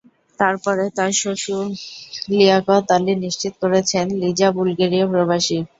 তবে পরে তাঁর শ্বশুর লিয়াকত আলী নিশ্চিত করেছেন, লিজা বুলগেরিয়া প্রবাসী।